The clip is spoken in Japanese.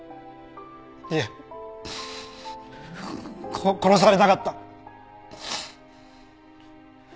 いえ殺されなかった！